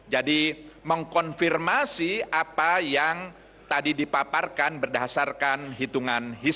jadi mengkonfirmasi apa yang tadi dipaparkan berdasarkan hitungan hisap